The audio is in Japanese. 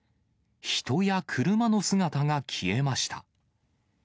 人や車の姿が消えました。